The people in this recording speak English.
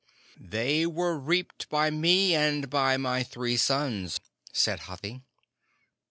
"They were reaped by me and by my three sons," said Hathi.